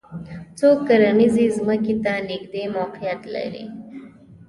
څوک کرنیزې ځمکې ته نږدې موقعیت لري